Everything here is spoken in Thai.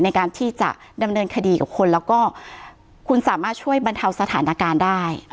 ในการที่จะดำเนินคดีกับคนแล้วก็คุณสามารถช่วยบรรเทาสถานการณ์ได้